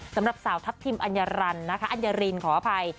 สำหรับสาวทัพทิมอัญญารันนะคะอัญญารินขออภัย